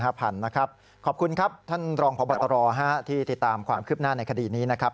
ขอบคุณนะครับขอบคุณครับท่านรองพบตรที่ติดตามความคืบหน้าในคดีนี้นะครับ